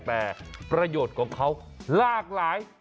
แต่ประโยชน์ของเขาหลากหลาย